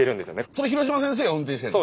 それ廣島先生が運転してるの？